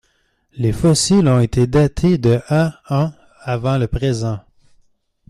Les fossiles ont été datés de à ans avant le présent.